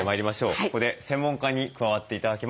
ここで専門家に加わって頂きます。